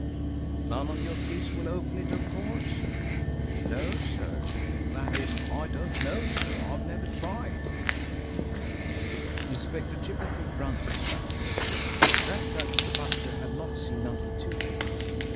"None of your keys will open it, of course?" "No, sir. That is I don't know, sir. I've never tried." Inspector Chippenfield grunted slightly. That trap the butler had not seen until too late.